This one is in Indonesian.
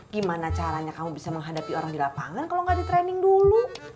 gimana caranya kamu bisa menghadapi orang di lapangan kalau nggak di training dulu